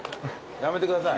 やめてください。